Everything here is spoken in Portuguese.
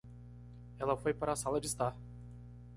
Ela foi para a sala de estar